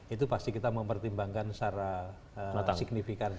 itu pasti kita mempertimbangkan secara signifikan